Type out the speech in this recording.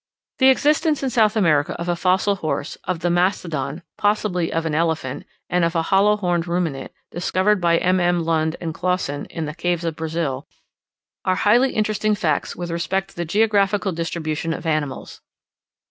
The existence in South America of a fossil horse, of the mastodon, possibly of an elephant, and of a hollow horned ruminant, discovered by MM. Lund and Clausen in the caves of Brazil, are highly interesting facts with respect to the geographical distribution of animals.